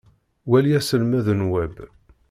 Wali aselmed n Web.